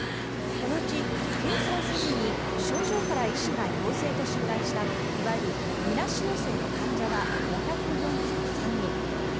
このうち、検査をせずに症状から医師が陽性と診断したいわゆるみなし陽性の患者は５４３人。